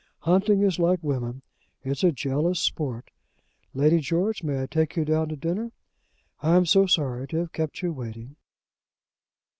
Hunting is like women. It's a jealous sport. Lady George, may I take you down to dinner? I am so sorry to have kept you waiting."